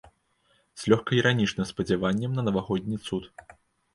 З лёгка-іранічным спадзяваннем на навагодні цуд.